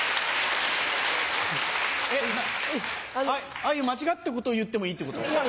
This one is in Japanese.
ああいう間違ったことを言ってもいいってこと？